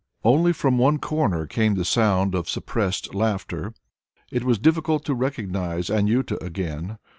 Only from one corner came the sound of suppressed laughter. It was difficult to recognize Anjuta again.